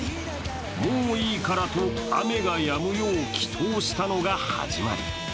もういいからと、雨がやむよう祈祷したのが始まり。